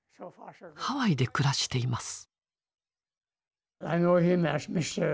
ハワイで暮らしています。